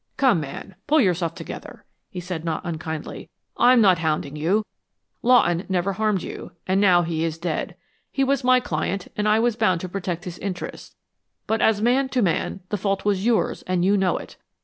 "Come, man, pull yourself together!" he said, not unkindly. "I'm not hounding you; Lawton never harmed you, and now he is dead. He was my client and I was bound to protect his interests, but as man to man, the fault was yours and you know it.